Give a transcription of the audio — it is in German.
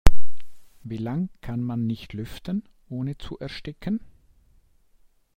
Wie lange kann man nicht lüften, ohne zu ersticken?